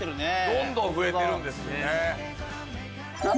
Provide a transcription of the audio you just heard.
どんどん増えてるんですよね。